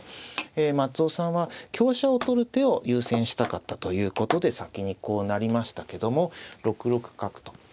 ええ松尾さんは香車を取る手を優先したかったということで先にこう成りましたけども６六角と。